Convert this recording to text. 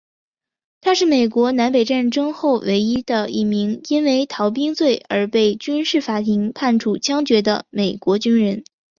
他是美国南北战争后唯一的一名因为逃兵罪而被军事法庭判处枪决的美国军人。